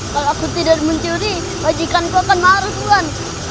kalau aku tidak mencuri bajikanku akan marah tuhan